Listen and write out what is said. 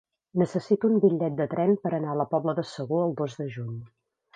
Necessito un bitllet de tren per anar a la Pobla de Segur el dos de juny.